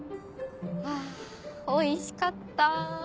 あおいしかった。